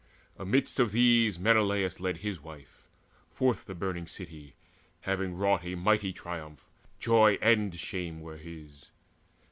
Amidst of these Menelaus led his wife Forth of the burning city, having wrought A mighty triumph joy and shame were his.